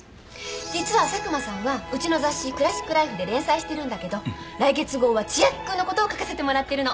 実は佐久間さんはうちの雑誌「クラシック・ライフ」で連載してるんだけど来月号は千秋君のことを書かせてもらってるの。